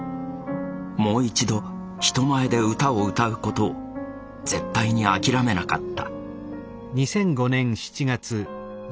もう一度人前で歌を歌うことを絶対に諦めなかった。